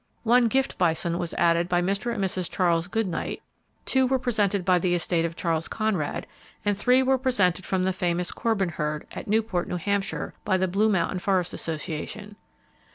One gift bison was added by Mr. and Mrs. Charles Goodnight, two were presented by the [Page 343] estate of Charles Conrad, and three were presented from the famous Corbin herd, at Newport, N.H., by the Blue Mountain Forest Association.